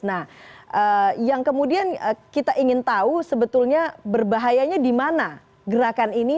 nah yang kemudian kita ingin tahu sebetulnya berbahayanya di mana gerakan ini